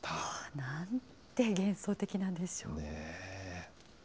なんて幻想的なんでしょう。